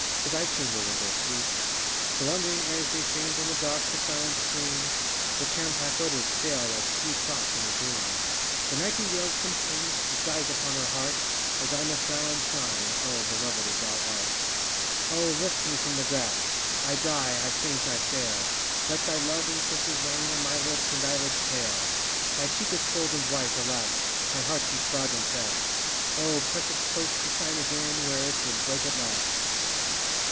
ŌĆö To thy chamber window, sweet! The wandering airs they faint On the dark the silent streamŌĆö The champak odors fail Like sweet thoughts in a dream; The nightingaleŌĆÖs complaint, It dies upon her heart, As I must die on shine, O, beloved as thou art! O, lift me from the grass! I die, I faint, I fail! Let thy love in kisses rain On my lips and eyelids pale. My cheek is cold and white, alas! My heart beats loud and fast: O, press it close to shine again, Where it will break at last.